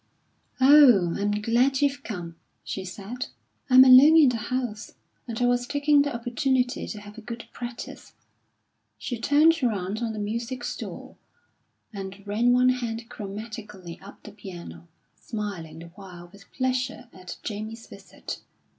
"Oh, I'm glad you've come," she said. "I'm alone in the house, and I was taking the opportunity to have a good practice." She turned round on the music stool, and ran one hand chromatically up the piano, smiling the while with pleasure at Jamie's visit.